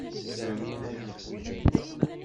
Sami ad yeḥwij aya.